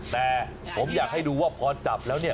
แต่ผมอยากให้ดูว่าพอจับแล้วเนี่ย